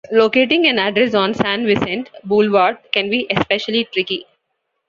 Locating an address on San Vicente Boulevard can be especially tricky.